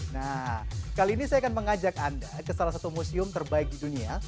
nah kali ini saya akan mengajak anda ke salah satu museum terbaik di dunia